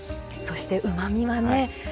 そしてうまみはね